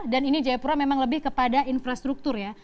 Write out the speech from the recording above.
dan ini jayapura memang lebih kepada infrastruktur ya